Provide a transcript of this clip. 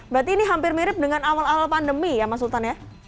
berarti ini hampir mirip dengan awal awal pandemi ya mas sultan ya